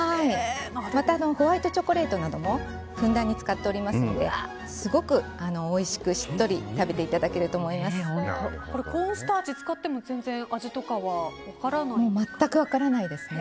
またホワイトチョコレートなどもふんだんに使っておりますのですごくおいしくしっとりコーンスターチを使っても全然、味とかは分からないですか？